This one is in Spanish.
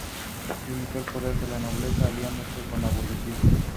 Es coleccionista de películas, fotos y afiches de cine fantástico y argentino.